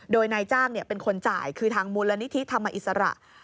โดยนายจ้างเป็นคนจ่ายคือทางมูลนิธิธรรมอิสระ